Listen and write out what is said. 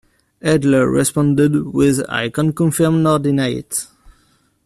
Adler responded with "I can't confirm nor deny it".